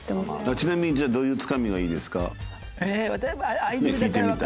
ちなみにじゃあどういうつかみがいいんですか？